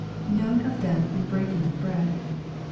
[Known of them in breaking of bread.